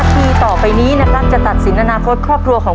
ทุกคนครับแล้วนิ่งนาทีต่อไปนี้นะครับจะตัดสินค้าครอบครัวของ